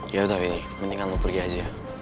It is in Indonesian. ya udah wini mendingan lo pergi aja ya